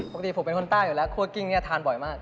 ปกติผมเป็นคนใต้อยู่แล้วคั่วกิ้งเนี่ยทานบ่อยมาก